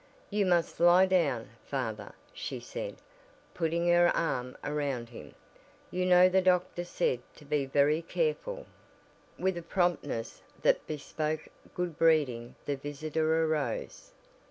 "You must lie down, father," she said, putting her arm about him, "You know the doctor said to be very careful." With a promptness that bespoke good breeding the visitor arose.